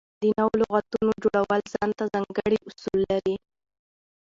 د نوو لغاتونو جوړول ځان ته ځانګړي اصول لري.